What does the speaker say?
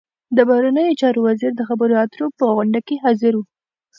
د بهرنیو چارو وزیر د خبرو اترو په غونډه کې حاضر و.